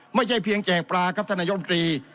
ไม่ใช่เพียงแจกปลาครับท่านนายมตรี